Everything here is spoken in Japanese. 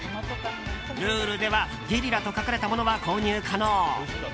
ルールでは、ゲリラと書かれたものは購入可能。